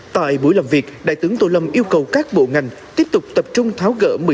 tại buổi làm việc đại tướng tô lâm yêu cầu các bộ ngành tiếp tục tập trung tháo gỡ